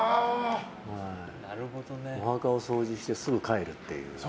お墓を掃除してすぐ帰るっていう。